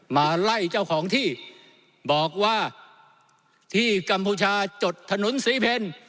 มาไล่เจ้าของที่บอกว่าที่กัมพูชาจดถนนศรีเพล